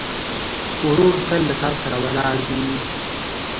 ورور تل له تا سره ولاړ وي.